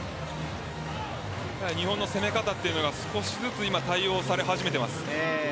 日本の攻め方というのが少しずつ対応され始めています。